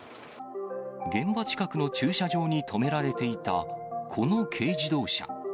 現場近くの駐車場に止められていたこの軽自動車。